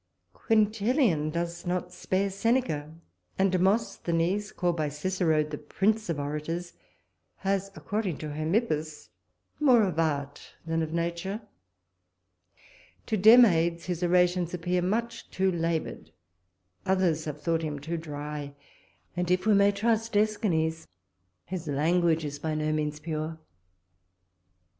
Quintilian does not spare Seneca; and Demosthenes, called by Cicero the prince of orators, has, according to Hermippus, more of art than of nature. To Demades, his orations appear too much laboured; others have thought him too dry; and, if we may trust Æschines, his language is by no means pure.